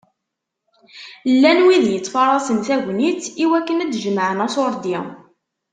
Llan wid yettfaṛaṣen tagnit i wakken ad d-jemεen aṣuṛdi.